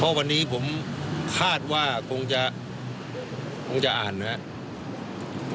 เพราะวันนี้ผมคาดว่าคงจะคงจะอ่านนะครับ